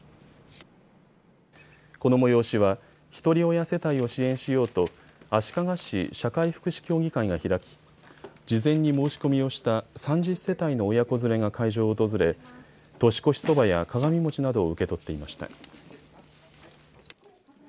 この催しは、ひとり親世帯を支援しようと足利市社会福祉協議会が開き事前に申し込みをした３０世帯の親子連れが会場を訪れ年越しそばや、鏡餅などを受け取っていました。